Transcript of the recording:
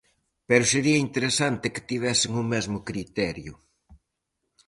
Pero sería interesante que tivesen o mesmo criterio.